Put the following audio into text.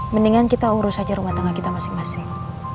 mendingan kita urus saja rumah tangga kita masing masing